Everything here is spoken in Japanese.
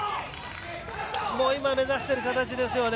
今目指している形ですよね。